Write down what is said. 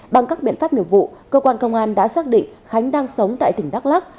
bằng các biện pháp nghiệp vụ cơ quan công an đã xác định khánh đang sống tại tỉnh đắk lắc